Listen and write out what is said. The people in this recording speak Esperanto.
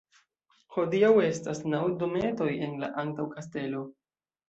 Hodiaŭ estas naŭ dometoj en la antaŭ-kastelo.